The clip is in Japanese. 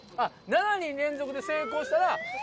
７人連続で成功したら。